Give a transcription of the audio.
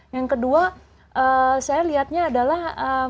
yang kedua saya lihatnya adalah